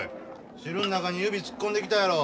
汁ん中に指突っ込んできたやろ。